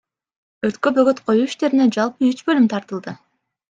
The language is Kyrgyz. Өрткө бөгөт коюу иштерине жалпы үч бөлүм тартылды.